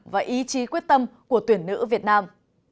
và ý chí quyết tâm của tuyển nữ việt nam